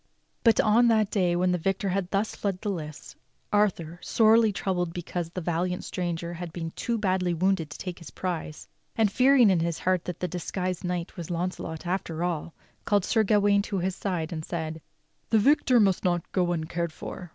But on the day when the victor had thus fled the lists, Arthur, sorely troubled because the valiant stranger had been too badly wounded to take his prize, and fearing in his heart that the dis guised knight was Launcelot after all, called Sir Gawain to his side and said: "The victor must not go uncared for.